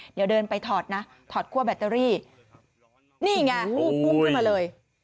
เดี๋ยวเดินไปถอดนะถอดคั่วแบตเตอรี่นี่ไงวูบพุ่งขึ้นมาเลย